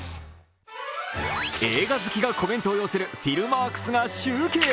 映画好きがコメントを寄せるフィルムワークスが集計。